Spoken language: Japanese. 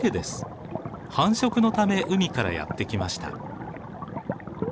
繁殖のため海からやって来ました。